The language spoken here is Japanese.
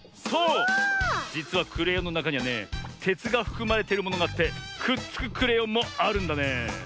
じつはクレヨンのなかにはねてつがふくまれてるものがあってくっつくクレヨンもあるんだね。